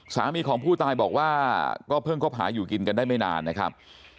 สามีของผู้ตายบอกว่าก็เพิ่งคบหาอยู่กินกันได้ไม่นานนะครับ